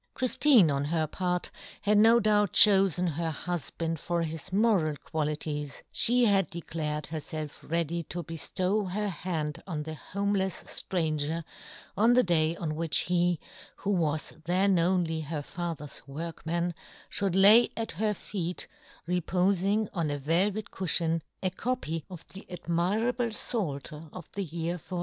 Chriftine, on her part, had no doubt chofen her hufband for his moral qualities ; fhe had declared herfelf ready to beftow her hand on the homelefs ftranger on the day on which he, who was then only her father's workman, ftiould lay at her feet, repofing on a velvet cufhion, a copy of the admirable Pfalter of the year 1457.